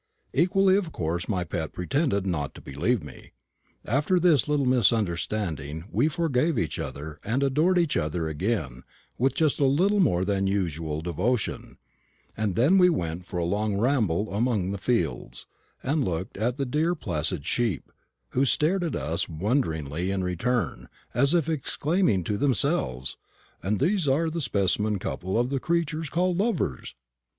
Equally of course my pet pretended not to believe me. After this little misunderstanding we forgave each other, and adored each other again with just a little more than usual devotion; and then we went for a long ramble among the fields, and looked at the dear placid sheep, who stared at us wonderingly in return, as if exclaiming to themselves, "And these are a specimen couple of the creatures called lovers!"